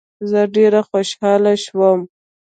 زه ډېر خوشاله شوم.